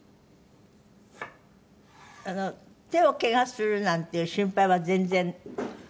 手をけがするなんていう心配は全然ない？